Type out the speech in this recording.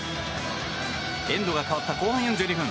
エンドが変わった後半４２分。